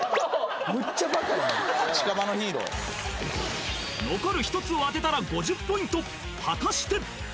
むっちゃバカやん残る１つを当てたら５０ポイント果たして？